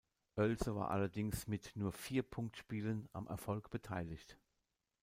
Oelze war allerdings mit nur vier Punktspielen am Erfolg beteiligt.